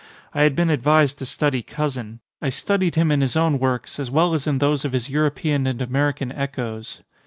I had been advised to study Cousin. I studied him in his own works as well as in those of his European and American echoes.